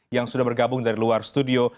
yang sudah bergabung dari luar studio